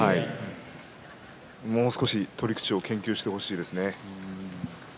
もう少し取り口を研究してほしいですね。